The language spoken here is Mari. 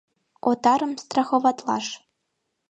Отарым страховатлаш!